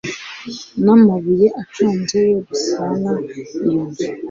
n amabuye aconze yo gusana iyo nzu